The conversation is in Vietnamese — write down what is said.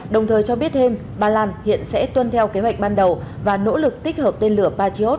đồng thời cho biết thêm ba lan hiện sẽ tuân theo kế hoạch ban đầu và nỗ lực tích hợp tên lửa patriot